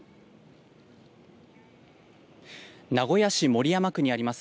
名古屋市守山区にあります